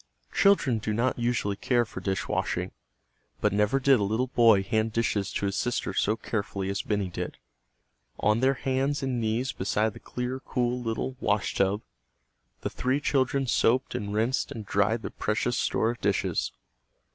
Children do not usually care for dishwashing. But never did a little boy hand dishes to his sister so carefully as Benny did. On their hands and knees beside the clear, cool little "washtub," the three children soaped and rinsed and dried their precious store of dishes.